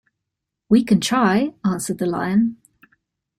"We can try," answered the Lion.